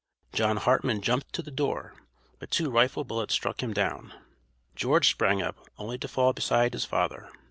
John Hartman jumped to the door, but two rifle bullets struck him down. George sprang up, only to fall beside his father.